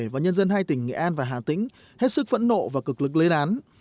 và nhân dân hai tỉnh nghệ an và hà tĩnh hết sức phẫn nộ và cực lực lê đán